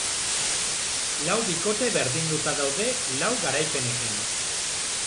Lau bikote berdinduta daude lau garaipenekin.